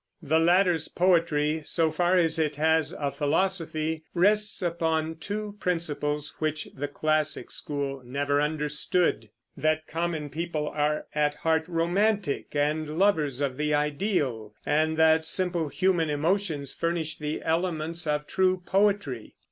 The latter's poetry, so far as it has a philosophy, rests upon two principles which the classic school never understood, that common people are at heart romantic and lovers of the ideal, and that simple human emotions furnish the elements of true poetry.